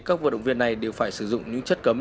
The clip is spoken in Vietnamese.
các vận động viên này đều phải sử dụng những chất cấm